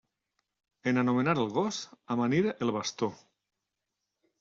En anomenar el gos, amanir el bastó.